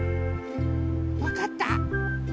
わかった？